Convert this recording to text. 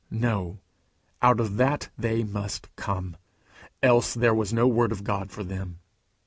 No. Out of that they must come, else there was no word of God for them.